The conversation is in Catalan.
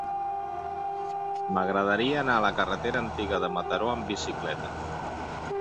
M'agradaria anar a la carretera Antiga de Mataró amb bicicleta.